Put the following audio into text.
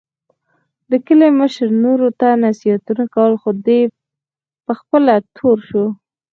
د کلي مشر نورو ته نصیحتونه کول، خو دی په خپله تور شو.